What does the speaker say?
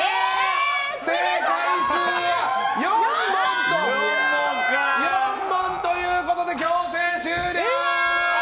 正解数は４問ということで強制終了！